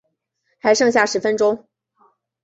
还剩下十分钟